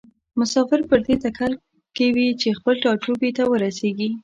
مسافر پر دې تکل کې وي چې خپل ټاټوبي ته ورسیږي.